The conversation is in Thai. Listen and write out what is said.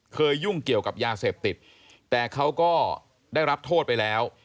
ยุ่งเกี่ยวกับยาเสพติดแต่เขาก็ได้รับโทษไปแล้ว